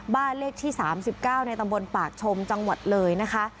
บ้านเลขที่๓๙ในตำบลปากชมจังหวัดเลยนะคะ